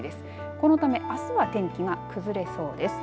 このためあすは天気が崩れそうです。